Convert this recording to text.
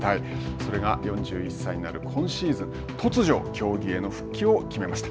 それが４１歳になる今シーズン突如競技への復帰を決めました。